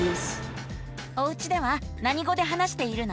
おうちではなに語で話しているの？